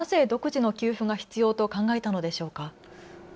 小池知事はなぜ独自の給付が必要と考えたのでしょうか。